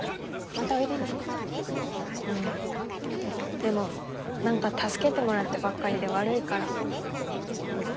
でも何か助けてもらってばっかりで悪いから。